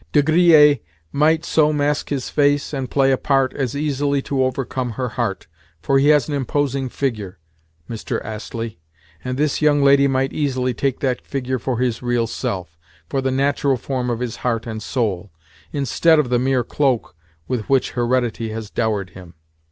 De Griers might so mask his face and play a part as easily to overcome her heart, for he has an imposing figure, Mr. Astley, and this young lady might easily take that figure for his real self—for the natural form of his heart and soul—instead of the mere cloak with which heredity has dowered him.